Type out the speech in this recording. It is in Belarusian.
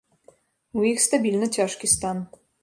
У іх стабільна цяжкі стан.